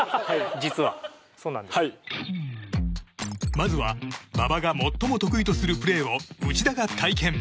まずは馬場が最も得意とするプレーを内田が体験。